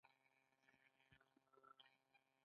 دغو ځانګړنو زه د هغه د لیکنو ژباړې ته وهڅولم.